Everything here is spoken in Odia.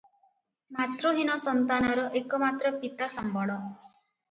ମାତୃହୀନ ସନ୍ତାନର ଏକମାତ୍ର ପିତା ସମ୍ବଳ ।